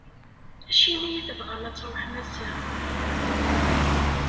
Acimi i tebɣam ad tṛuḥem ass-a?